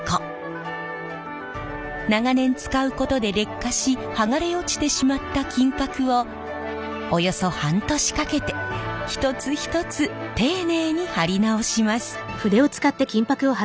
長年使うことで劣化し剥がれ落ちてしまった金箔をおよそ半年かけて一つ一つ丁寧に貼り直します。